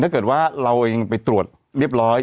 ถ้าเกิดว่าเราเองไปตรวจเรียบร้อย